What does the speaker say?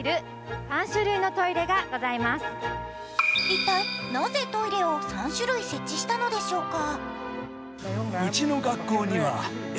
一体なぜトイレを３種類設置したのでしょうか。